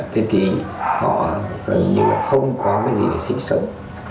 thế thì họ gần như là không có cái gì để sinh sống